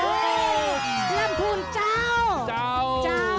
รำคูณเจ้าเจ้าเจ้า